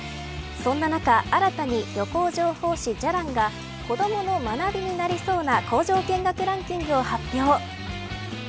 そんな中新たに旅行情報誌じゃらんが子どもの学びになりそうな工場見学ランキングを発表。